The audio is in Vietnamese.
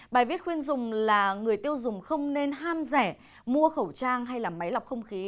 bài viết khuyên dùng là người tiêu dùng không nên ham rẻ mua khẩu trang hay là máy lọc không khí